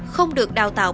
không được đào tạo